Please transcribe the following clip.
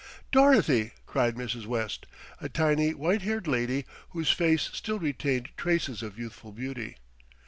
"Dorothy!" cried Mrs. West, a tiny white haired lady whose face still retained traces of youthful beauty.